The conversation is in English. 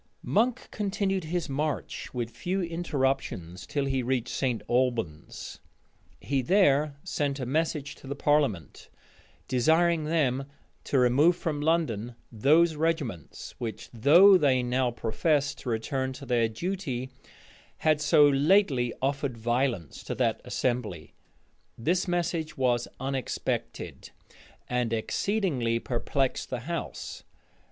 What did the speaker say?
Monk continued his march with few interruptions till he reached St. Albans. He there sent a message to the parliament, desiring them to remove from London those regiments which, though they now professed to return to their duty, had so lately offered violence to that assembly. This message was unexpected, and exceedingly perplexed the house.